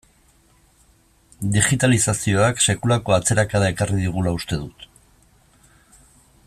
Digitalizazioak sekulako atzerakada ekarri digula uste dut.